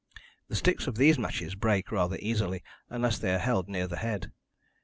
The sticks of these matches break rather easily unless they are held near the head.